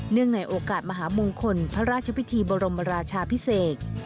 ในโอกาสมหามงคลพระราชพิธีบรมราชาพิเศษ